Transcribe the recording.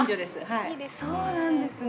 そうなんですね。